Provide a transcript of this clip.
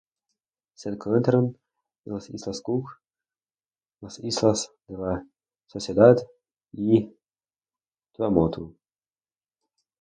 Se encuentran en las Islas Cook, las Islas de la Sociedad y Tuamotu.